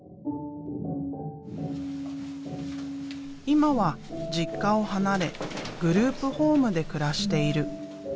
今は実家を離れグループホームで暮らしている。